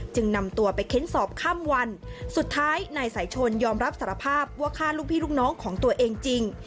นำตัวไปเค้นสอบข้ามวันสุดท้ายนายสายชนยอมรับสารภาพว่าฆ่าลูกพี่ลูกน้องของตัวเองจริง